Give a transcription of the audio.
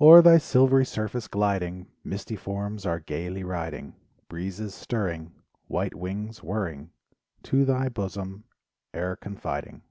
O'er thy silvery surface gliding Misty forms are gaily riding, Breezes stirring, White wings, whirring To thy bosom e'er confiding.